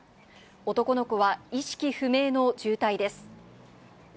男の子は意識不明の重体です。